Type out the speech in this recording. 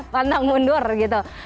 pandang mundur gitu